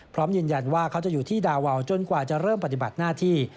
พร้อมยืนยันว่าเขาจะอยู่ที่ดาวาวจนกว่าจะเริ่มปฏิบัติหน้าที่